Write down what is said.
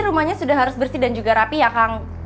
rumahnya sudah harus bersih dan juga rapi ya kang